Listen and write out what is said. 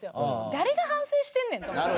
誰が反省してんねん！と思って。